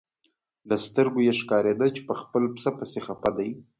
له سترګو یې ښکارېده چې په خپل پسه پسې خپه دی.